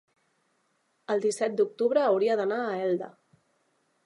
El disset d'octubre hauria d'anar a Elda.